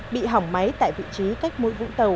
bị hỏng máy tại vị trí cách mũi vũng tàu